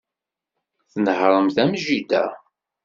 Tnehhṛemt am jida.